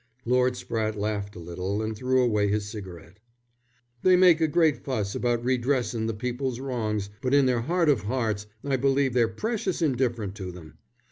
Lord Spratte laughed a little and threw away his cigarette. "They make a great fuss about redressin' the people's wrongs, but in their heart of hearts I believe they're precious indifferent to them.